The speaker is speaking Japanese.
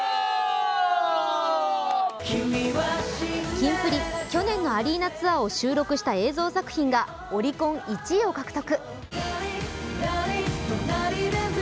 キンプリ、去年のアリーナツアーを収録した映像作品がオリコン１位を獲得。